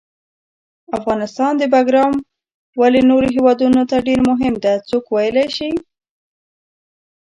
د افغانستان باګرام ولې نورو هیوادونو ته ډېر مهم ده، څوک ویلای شي؟